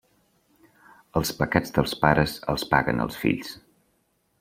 Els pecats dels pares els paguen els fills.